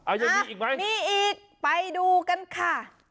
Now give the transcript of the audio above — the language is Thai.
อ้าวมีอีกมั้ยมีอีกไปดูกันค่ะ